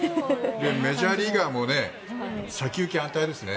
メジャーリーガーも先行き安泰ですね。